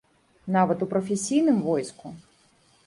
Нават у прафесійным войску.